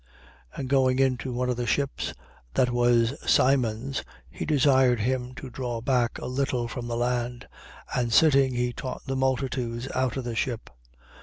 5:3. And going into one of the ships that was Simon's, he desired him to draw back a little from the land. And sitting, he taught the multitudes out of the ship.